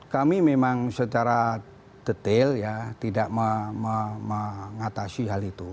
kami memang secara detail ya tidak mengatasi hal itu